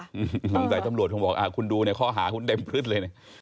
ตั้งใจตำรวจผมบอกคุณดูเนี่ยข้อหาคุณเด็มพึดเลยเนี่ย